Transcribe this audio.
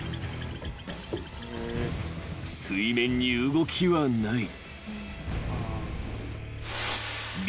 ［水面に動きはない］